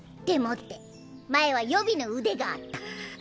でもって前は予備の腕があった。